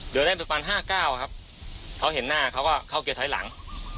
เดินได้เป็นปันห้าเก้าครับเขาเห็นหน้าเขาก็เข้าเกลียดถอยหลัง